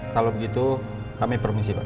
kalau begitu kami permisi pak